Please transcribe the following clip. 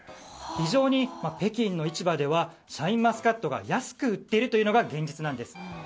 非常に北京の市場ではシャインマスカットが安く売っているというのが現実なんです。